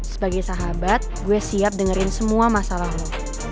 sebagai sahabat gue siap dengerin semua masalah lo